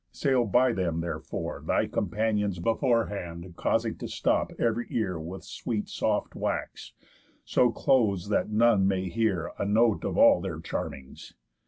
Sail by them therefore, thy companions Beforehand causing to stop ev'ry ear With sweet soft wax, so close that none may hear A note of all their charmings.